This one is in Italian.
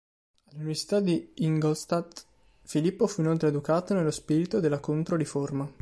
All'università di Ingolstadt, Filippo fu inoltre educato nello spirito della Controriforma.